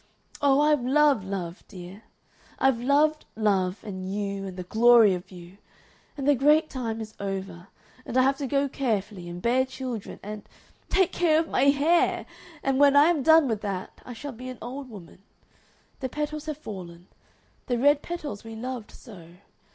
Oh, I've loved love, dear! I've loved love and you, and the glory of you; and the great time is over, and I have to go carefully and bear children, and take care of my hair and when I am done with that I shall be an old woman. The petals have fallen the red petals we loved so.